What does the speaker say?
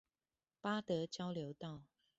八德交流道